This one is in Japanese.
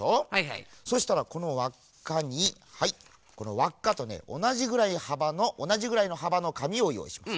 そしたらこのわっかにはいこのわっかとねおなじぐらいのはばのかみをよういします。